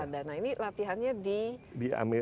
nah ini latihannya di